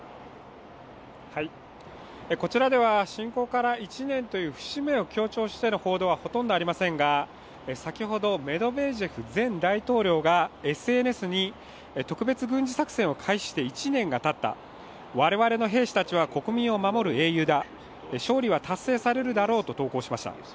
こちらでは侵攻から１年という節目を強調しての報道はほとんどありませんが、先ほどメドベージェフ前大統領がＳＮＳに特別軍事作戦を開始して１年がたった、我々の兵士たちは国民を守る英雄だ、勝利は達成されるだろうと投稿しました。